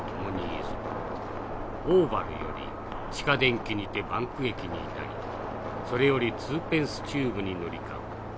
オウヴァルより地下電気にてバンク駅に至りそれよりツーペンス・チューブに乗り換う。